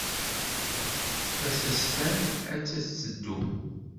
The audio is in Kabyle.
Tasestant atta tetteddu.